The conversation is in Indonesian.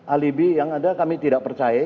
alibi yang ada kami tidak percaya